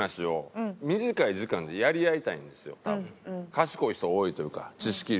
賢い人多いというか知識量も。